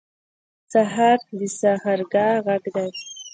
سهار د سحرګاه غږ دی.